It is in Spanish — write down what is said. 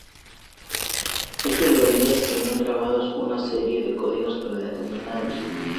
Estas varillas tenían grabados una serie de códigos predeterminados.